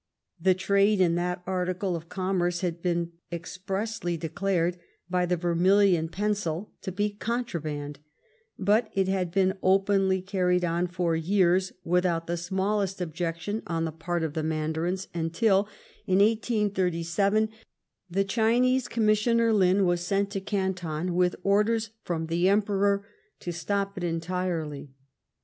The trade in that article of commerce had been expressly declared by the Ver milion Pencil to be contraband ; but it had been openly carried on for years without the smallest objec tion on the part of the Mandarins, until in 1887 the 6 ♦ 84 LIFE OF riaOOUNT PALMEB8T0N. Obineae Commissioner Lin was sent to Canton with Ofders from the Emperor to stop it entirely.